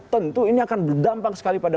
tentu ini akan berdampak sekali pada